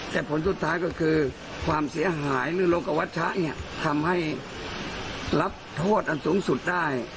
แต่ผลสุดท้ายก็คือความเสียหายหรือลบกับวัชชะเนี่ยทำให้รับโทษอันสูงสุดได้